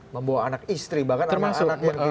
membawa anak istri bahkan anak anaknya termasuk